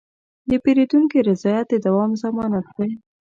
د پیرودونکي رضایت د دوام ضمانت دی.